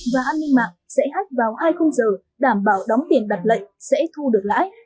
và an ninh mạng sẽ hách vào hai khung giờ đảm bảo đóng tiền đặt lệnh sẽ thu được lãi